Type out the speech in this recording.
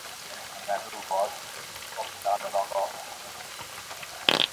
ছেলের বাবা রাজি হলেই পারত।